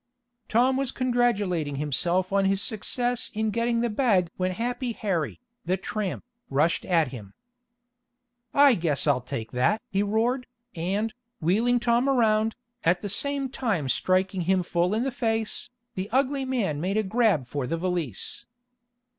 Tom was congratulating himself on his success in getting the bag when Happy Harry, the tramp, rushed at him. "I guess I'll take that!" he roared, and, wheeling Tom around, at the same time striking him full in the face, the ugly man made a grab for the valise.